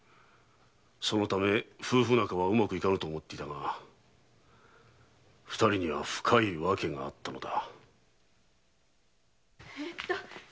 そのため夫婦仲がうまくいかぬと思っていたが二人には深いわけがあったのだ。